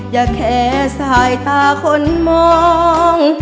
อย่าแค่สายตาคนมอง